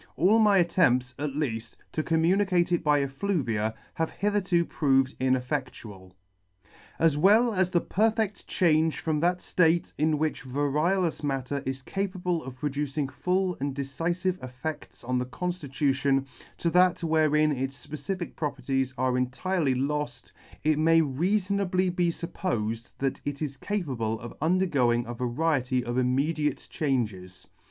All my attempts, at leaft, to com municate it by effluvia have hitherto proved ineffectual. As well as the perfedt change from that ftate in which variolous matter is capable of producing full and decifive effedts on the conftitution, to that wherein its fpecific properties are entirely C 87 ] entirely loft, it may reafonably be fuppofed that it is capable of undergoing a variety of intermediate changes.